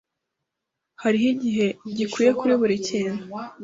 Hariho igihe gikwiye kuri buri kintu.